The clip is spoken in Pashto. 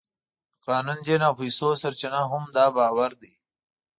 د قانون، دین او پیسو سرچینه هم دا باور دی.